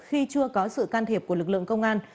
khi chưa có sự can thiệp của lực lượng công an